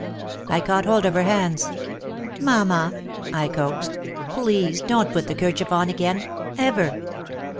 I caught hold of her hands. "Mamma," I coaxed, "please don't put the kerchief on again— ever